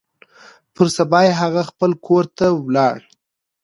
پر سبا يې هغه خپل کور ته ولاړ.